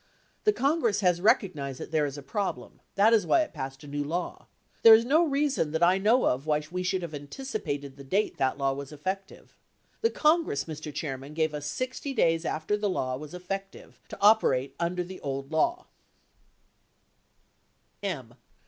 The Congress has recognized that there is a problem. That is why it passed a new law. There was no reason that I know of why we should have anticipated the date that law was effective. The Congress, Mr. Chairman, gave us 60 days after the law was effective to operate under the old law* M.